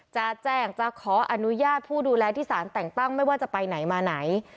จะแจ้งจะขออนุญาตผู้ดูแลที่สารแต่งตั้งไม่ว่าจะไปไหนมาไหน